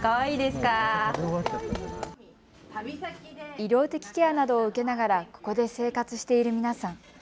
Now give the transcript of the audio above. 医療的ケアなどを受けながらここで生活している皆さん。